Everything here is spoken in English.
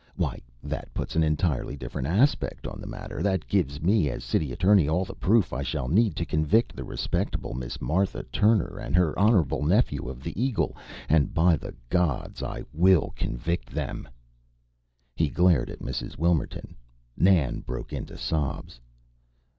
"Why, that puts an entirely different aspect on the matter! That gives me, as City Attorney, all the proof I shall need to convict the respectable Miss Martha Turner and her honorable nephew of the 'Eagle.' And, by the gods! I will convict them!" He glared at Mrs. Wilmerton. Nan broke into sobs.